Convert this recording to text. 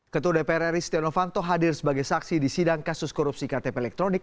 ketua dpr ri setia novanto hadir sebagai saksi di sidang kasus korupsi ktp elektronik